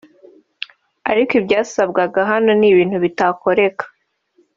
ariko ibyasabwaga hano ni ibintu bitakoreka